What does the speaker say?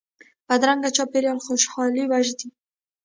بدرنګه چاپېریال خوشحالي وژني